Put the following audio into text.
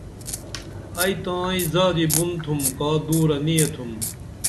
ائی تائی زادیہ بُن تُھم کا دُورہ نی ییتُھم